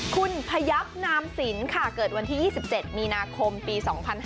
คุณพยับนามสินค่ะเกิดวันที่๒๗มีนาคมปี๒๕๕๙